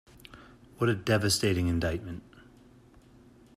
What a devastating indictment.